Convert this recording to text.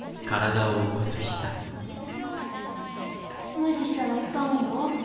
無理したらいかんよ。